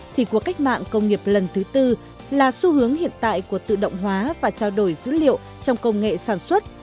thì cuộc cách mạng công nghiệp lần thứ tư là xu hướng hiện tại của tự động hóa và trao đổi dữ liệu trong công nghệ sản xuất